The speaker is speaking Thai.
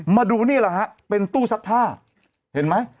มาดูนี่แหละฮะเป็นตู้ซักผ้าเห็นไหม